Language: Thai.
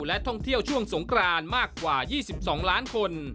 และท่องเที่ยวช่วงสงกรานมากกว่า๒๒ล้านคน